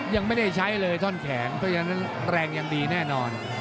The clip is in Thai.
ยังไม่ได้ใช้เลยท่อนแขนเพราะฉะนั้นแรงยังดีแน่นอน